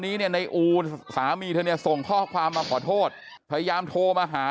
นี้เนี่ยในอูสามีเธอเนี่ยส่งข้อความมาขอโทษพยายามโทรมาหา